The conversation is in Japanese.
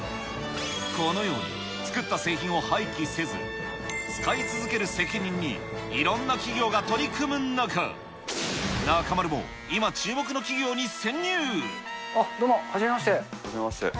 このように、作った製品を廃棄せず、使い続ける責任にいろんな企業が取り組む中、あっ、どうもはじめまして。